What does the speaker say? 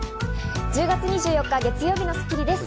１０月２４日、月曜日の『スッキリ』です。